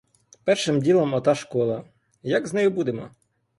Першим ділом ота школа; як з нею будемо?